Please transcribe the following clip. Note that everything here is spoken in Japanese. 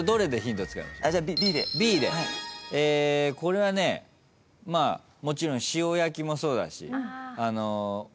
これはねまあもちろん塩焼きもそうだしお味噌をね